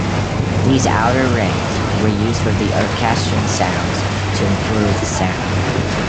These outer rings were used for the Orchestron sounds to improve the sound.